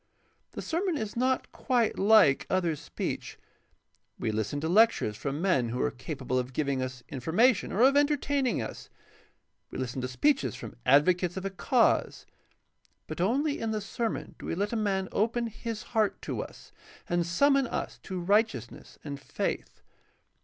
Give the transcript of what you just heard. The sermon is not quite Kke other speech. We listen to lectures from men who are capable of giving us information or of entertaining us; we Hsten to speeches from advocates of a cause; but only in the sermon do we let a man open his heart to us and summon us to right eousness and faith.